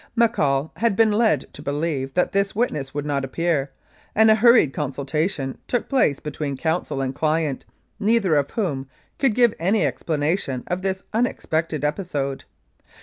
McCaul had been led to believe that this witness would not appear, and a hurried consultation took place between counsel and client, neither of whom could give any explanation of this un expected episode.